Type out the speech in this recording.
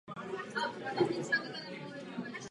Rád a často cestoval.